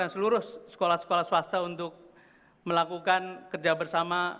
dan seluruh sekolah sekolah swasta untuk melakukan kerja bersama